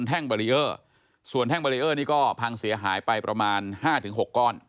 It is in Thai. แท่งบริเออร์นี่ก็พังเสียหายไปประมาณ๕๖ก้อน